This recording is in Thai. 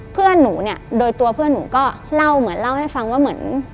เพื่อนหนูเนี่ยโดยตัวเพื่อนหนูก็เล่าเหมือนเล่าให้ฟังว่าเหมือน